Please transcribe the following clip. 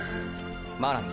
真波！！